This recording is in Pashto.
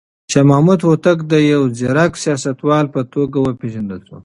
شاه محمود هوتک د يو ځيرک سياستوال په توګه وپېژندل شو.